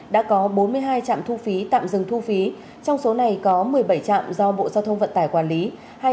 đã có bốn mươi hai trạm thu phí tạm dừng thu phí trong số này có một mươi bảy trạm do bộ giao thông vận tải quản lý